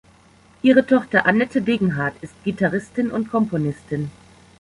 Ihre Tochter Annette Degenhardt ist Gitarristin und Komponistin.